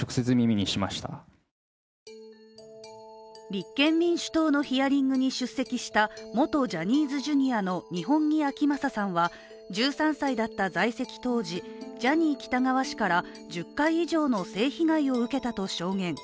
立憲民主党のヒアリングに出席した元ジャニーズＪｒ．の二本樹顕理さんは１３歳だった在籍当時、ジャニー喜多川氏から１０回以上の性被害を受けたと証言。